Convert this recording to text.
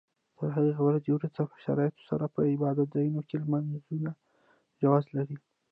تر هغې ورځې وروسته په شرایطو سره په عبادت ځایونو کې لمونځ جواز لري.